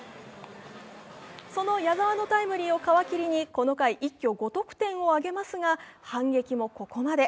その矢澤のタイムリーを皮切りに一挙５得点を挙げますが反撃もここまで。